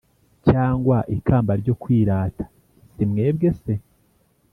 cyangwa ikamba ryo kwirata Si mwebwe se